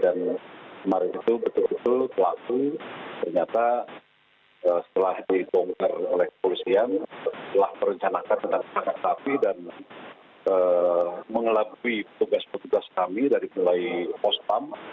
dan kemarin itu betul betul telah ternyata setelah digongkar oleh polisian telah perencanaan tentang tangan tapi dan mengelabui tugas tugas kami dari mulai pos pam